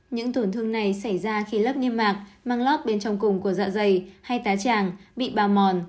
những tổn thương này xảy ra khi lớp nghiêm mạc mang lót bên trong cùng của dạ dày hay tá tràng bị bao mòn